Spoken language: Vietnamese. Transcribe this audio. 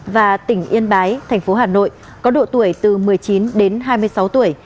và tỉnh yên bái thành phố hà nội có độ tuổi từ một mươi chín đến hai mươi sáu tuổi